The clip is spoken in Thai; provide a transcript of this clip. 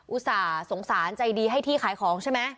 อุตส่าห์สงสารใจดีให้ที่ขายของใช่ไหม